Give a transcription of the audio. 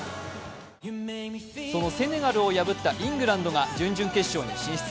そのセネガルを破ったイングランドが準々決勝へ進出。